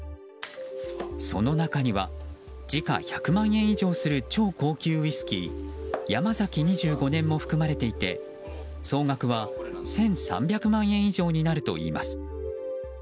その中には時価１００万円以上する超高級ウイスキー「山崎２５年」も含まれていて総額は、１３００万円以上になるといいます。